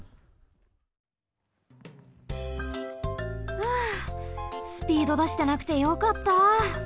ふうスピードだしてなくてよかった。